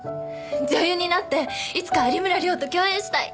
女優になっていつか有村亮と共演したい！